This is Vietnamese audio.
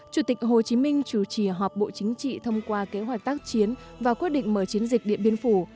chủ tịch hồ chí minh chủ trì họp bộ chính trị thông qua kế hoạch tác chiến và quyết định mở chiến dịch điện biên phủ